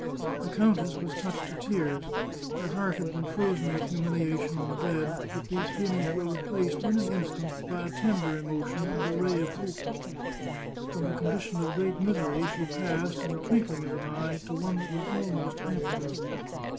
The countess was touched to tears; her heart had been frozen with humiliation and dread, but these feelings were replaced, in an instant, by a tender emotion and a ray of hope. From a condition of great misery she passed, in the twinkling of an eye, to one that was almost happiness.